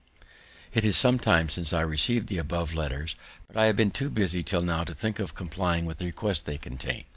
_] It is some time since I receiv'd the above letters, but I have been too busy till now to think of complying with the request they contain.